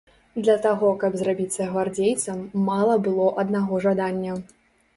Для таго, каб зрабіцца гвардзейцам, мала было аднаго жадання.